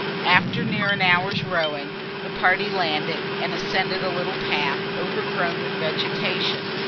After near an hour's rowing, the party landed, and ascended a little path, overgrown with vegetation.